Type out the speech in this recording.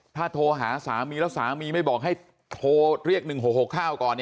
ถ้าโทรหาสามีแล้วสามีไม่บอกให้โทรเรียก๑๖๖๙ก่อน